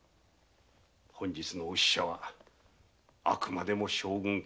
本日のお使者はあくまでも将軍家のご事情である。